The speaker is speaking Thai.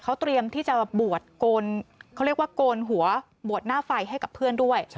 เขาเตรียมที่จะบวชโกนเขาเรียกว่าโกนหัวบวชหน้าไฟให้กับเพื่อนด้วย